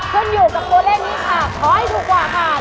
ขึ้นอยู่กับตัวเลขนี้ค่ะขอให้ถูกกว่าค่ะ